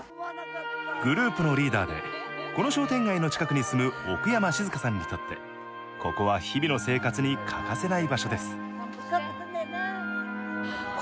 グループのリーダーでこの商店街の近くに住む奥山静香さんにとってここは日々の生活に欠かせない場所です。